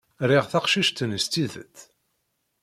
Riɣ taqcict-nni s tidet.